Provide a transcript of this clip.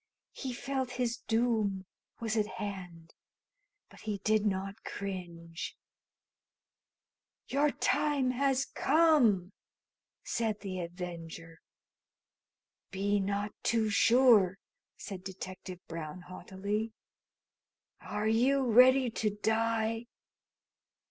He felt his doom was at hand. But he did not cringe. "Your time has come!" said the Avenger. "Be not too sure," said Detective Brown haughtily. "Are you ready to die?"